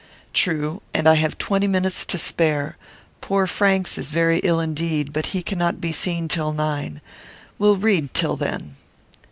"True. And I have twenty minutes to spare. Poor Franks is very ill indeed, but he cannot be seen till nine. We'll read till then."